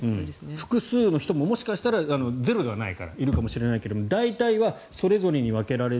複数の人ももしかしたらゼロではないからいるかもしれないけど大体はそれぞれに分けられる。